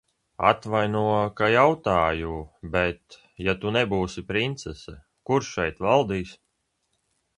Atvaino, ka jautāju, bet, ja tu nebūsi princese, kurš šeit valdīs?